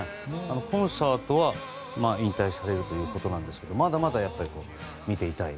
コンサートは引退されるということですがまだまだ見ていたい。